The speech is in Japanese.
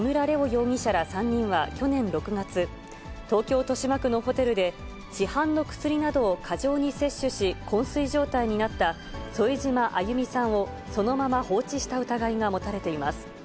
容疑者ら３人は去年６月、東京・豊島区のホテルで、市販の薬などを過剰に摂取し、こん睡状態になった、添島亜祐美さんをそのまま放置した疑いが持たれています。